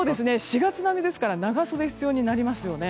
４月並みですから長袖必要になりますね。